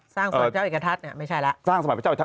สร้างสมัครเจ้าเอกทัศน์มันไม่ใช่